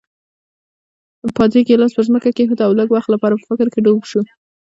پادري ګیلاس پر ځمکه کېښود او لږ وخت لپاره په فکر کې ډوب شو.